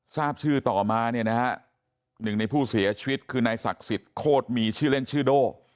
ทราบชื่อต่อมาเนี่ยนะฮะหนึ่งในผู้เสียชีวิตคือนายศักดิ์สิทธิ์โคตรมีชื่อเล่นชื่อโด่